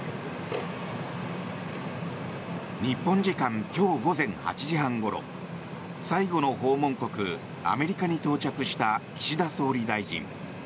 日本時間今日午前８時半ごろ最後の訪問国アメリカに到着した岸田総理大臣。